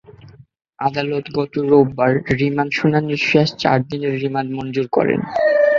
আদালত গতকাল রোববার রিমান্ড শুনানির শেষে চার দিনের রিমান্ড মঞ্জুর করেন।